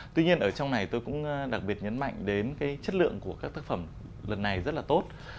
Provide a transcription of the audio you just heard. tuy nhiên ở trong này tôi cũng đặc biệt nhấn mạnh đến cái chất lượng của các tác phẩm lần này rất là tốt